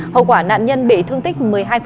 hậu quả nạn nhân bị thương tích một mươi hai